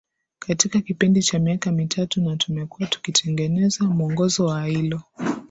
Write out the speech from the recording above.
katika kipindi cha miaka mitatu na tumekuwa tukitengeneza mwongozo wa ailo